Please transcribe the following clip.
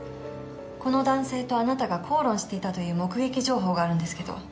この男性とあなたが口論していたという目撃情報があるんですけど。